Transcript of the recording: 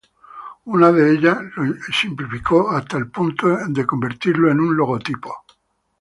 Una de ellas lo simplificó hasta el punto en convertirlo en un logotipo.